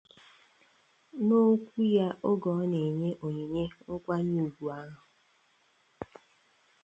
N'okwu ya oge ọ na-enye ya onyinye nkwanyeùgwù ahụ